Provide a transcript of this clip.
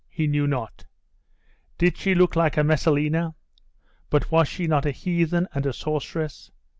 He knew not. Did she look like a Messalina? But was she not a heathen and a sorceress?